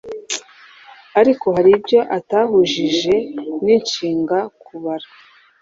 ariko hari ibyo atahujije n’inshinga ’’Kubara’’